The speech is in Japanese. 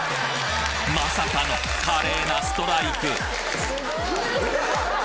まさかの華麗なストライク！